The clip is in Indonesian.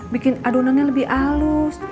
bikin adonannya lebih halus